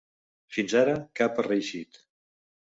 Fins ara, cap ha reeixit.